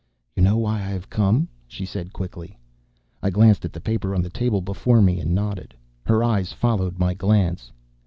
"You know why I have come?" she said quickly. I glanced at the paper on the table before me, and nodded. Her eyes followed my glance.